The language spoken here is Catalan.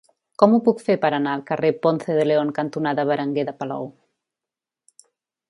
Com ho puc fer per anar al carrer Ponce de León cantonada Berenguer de Palou?